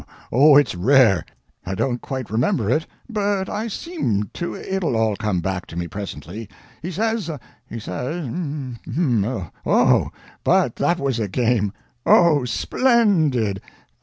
Oh, it's rare! I don't quite remember it, but I seem to it'll all come back to me presently. He says he says hm hm oh, but that was a game! Oh, spl endid!